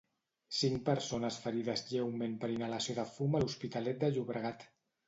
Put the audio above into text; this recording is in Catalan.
Cinc persones ferides lleument per inhalació de fum a L'Hospitalet de Llobregat.